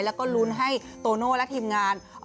แล้วก็ลุ้นให้โตโน่และทีมงาน